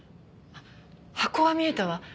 箱は見えたわ。